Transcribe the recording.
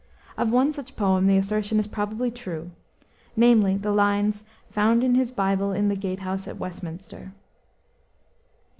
Of one such poem the assertion is probably true, namely, the lines "found in his Bible in the gate house at Westminster."